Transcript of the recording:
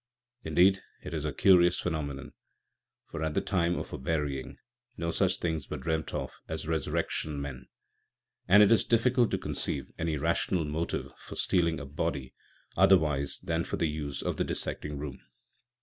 Indeed, it is a curious phenomenon, for at the time of her burying no such things were dreamt of as resurrection men, and it is difficult to conceive any rational motive for stealing a body otherwise than for the uses of the dissecting room.